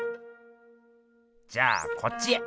じゃあこっちへ。